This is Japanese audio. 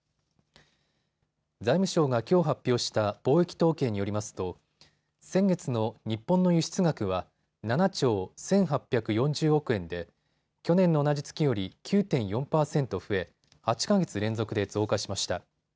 財務省がきょう発表した貿易統計によりますと先月の日本の輸出額は７兆１８４０億円で去年の同じ月より９．４％増え８か月連続で増加しました。